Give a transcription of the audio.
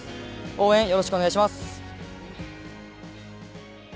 応援、よろしくお願いします。